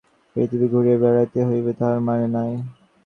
অচেনার আনন্দকে পাইতে হইলে পৃথিবী ঘুরিয়া বেড়াইতে হইবে, তাহার মানে নাই।